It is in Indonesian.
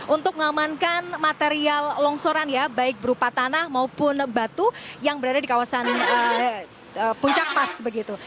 untuk mengamankan material longsoran ya baik berupa tanah maupun batu yang berada di kawasan puncak pas begitu